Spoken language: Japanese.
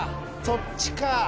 「そっちか」